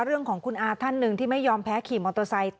เรื่องของคุณอาท่านหนึ่งที่ไม่ยอมแพ้ขี่มอเตอร์ไซค์